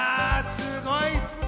すごいですね。